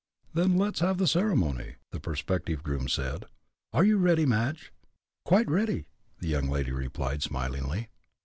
"Then let's have the ceremony," the prospective bridegroom said. "Are you ready, Madge?" "Quite ready," the young lady replied, smilingly.